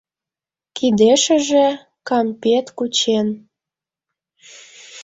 Кидешыже кампет кучен